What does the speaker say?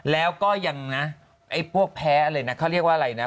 แล้วก็ยังนะไอ้พวกแพ้อะไรนะเขาเรียกว่าอะไรนะ